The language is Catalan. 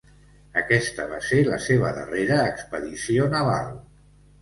Aquesta va ser la seva darrera expedició naval.